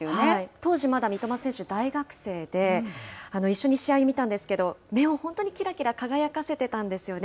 当時まだ三笘選手は大学生で、一緒に試合を見たんですけど、目を本当にきらきら輝かせてたんですよね。